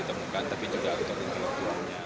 tapi juga untuk inklusifnya